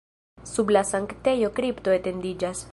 Sub la sanktejo kripto etendiĝas.